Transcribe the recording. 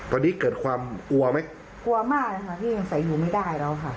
ตอนนี้เกิดความกลัวไหมกลัวมากเลยค่ะพี่ยังใส่อยู่ไม่ได้แล้วค่ะ